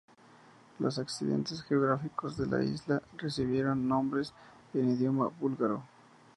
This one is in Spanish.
Los accidentes geográficos de la isla recibieron nombres en idioma búlgaro.